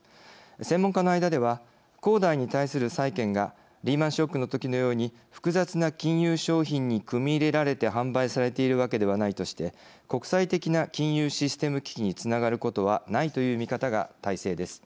専門家の間では恒大に対する債権がリーマンショックのときのように複雑な金融商品に組み入れられて販売されているわけではないとして国際的な金融システム危機につながることはないという見方が大勢です。